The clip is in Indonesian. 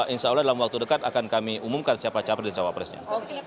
insya allah dalam waktu dekat akan kami umumkan siapa capres dan cawapresnya